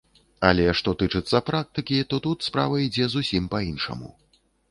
Але што тычыцца практыкі, то тут справа ідзе зусім па-іншаму.